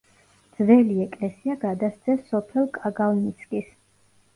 ძველი ეკლესია გადასცეს სოფელ კაგალნიცკის.